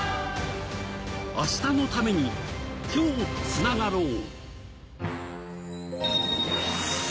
「明日のために、今日つながろう。」。